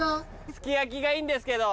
すき焼きがいいんですけど。